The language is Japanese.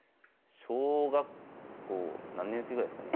小学校何年生ぐらいですかね？